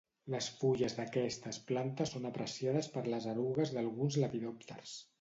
Les fulles d'aquestes plantes són apreciades per les erugues d'alguns lepidòpters.